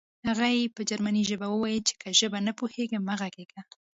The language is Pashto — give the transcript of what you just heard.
هغې په جرمني ژبه وویل چې که ژبه نه پوهېږې مه غږېږه